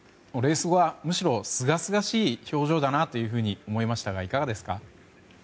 レース後はむしろ、すがすがしい表情だなと思いましたがいかがですか？